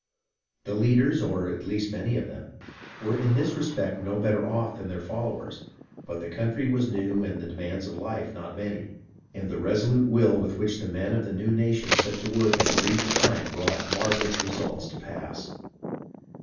The leaders, or at least many of them, were in this respect no better off than their followers ; but the country was new and the demands of life not many, and the resolute will with which the men of the new nation set to work in a brief time brought marvellous results to pass.